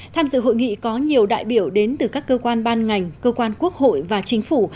tham dự hội nghị có nhiều đại biểu đến từ các cơ quan ban ngành cơ quan quốc hội và chính phủ